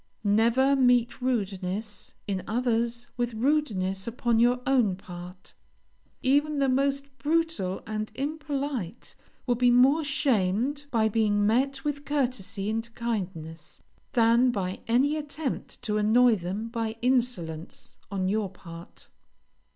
Never meet rudeness in others with rudeness upon your own part; even the most brutal and impolite will be more shamed by being met with courtesy and kindness, than by any attempt to annoy them by insolence on your part.